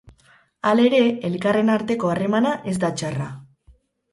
Halere, elkarren arteko harremana ez da txarra.